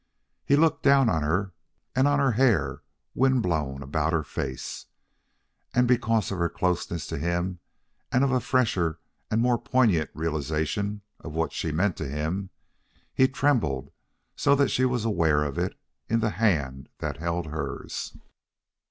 He looked down on her and on her hair wind blown about her face; and because of her closeness to him and of a fresher and more poignant realization of what she meant to him, he trembled so that she was aware of it in the hand that held hers.